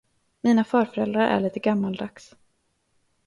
Mina farföräldrar är lite gammaldags.